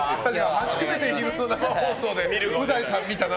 初めて昼の生放送でう大さん見たな。